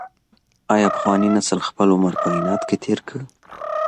ایا پخواني نسل خپل عمر په عناد کي تېر کړ؟